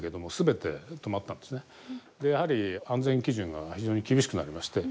やはり安全基準が非常に厳しくなりまして。